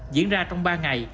diễn ra trong ba ngày